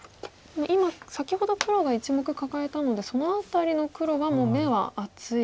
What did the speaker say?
先ほど黒が１目カカえたのでその辺りの黒はもう眼は厚いですか。